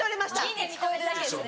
「ぎ」に聞こえるだけですよね。